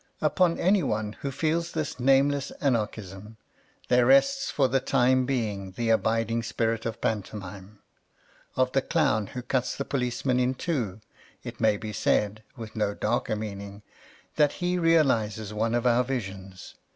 Upon any one who feels this nameless anarchism there rests for the time being the abiding spirit of pantomime. Of the clown who cuts the policeman in two it may be said (with no darker mean ing) that he realizes one of our visions.